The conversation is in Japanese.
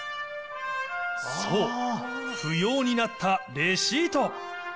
そう、不要になったレシート。